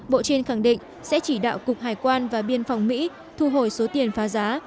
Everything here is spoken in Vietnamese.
bộ trên khẳng định sẽ chỉ đạo cục hải quan và biên phòng mỹ thu hồi số tiền phá giá